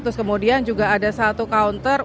terus kemudian juga ada satu kaunter